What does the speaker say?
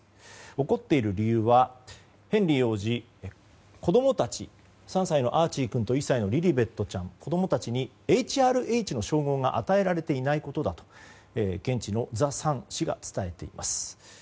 怒っている理由はヘンリー王子、子供たち３歳のアーチー君と１歳のリリベットちゃん子供たちにＨＲＨの称号が与えられていないことが現地のザ・サン紙が伝えています。